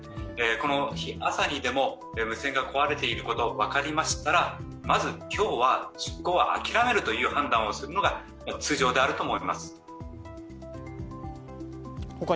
この朝にでも無線が壊れていることが分かりましたらまず、今日は出航は諦めるという判断をするのが通常であると思います。